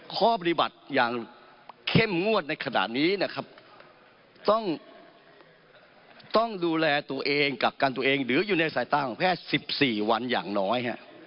ข้อปฏิบัติอย่างเข้มงวดในขณะนี้นะครับต้องดูแลตัวเองกักกันตัวเองหรืออยู่ในสายตาของแพทย์๑๔วันอย่างน้อย